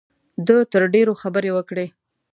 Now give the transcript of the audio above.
ده تر ډېرو خبرې وکړې.